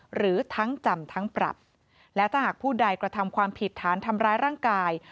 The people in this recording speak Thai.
หรือทั้งจำทั้งปรับและถ้าหากผู้ใดกระทำความผิดฐานทำร้ายร่างกาย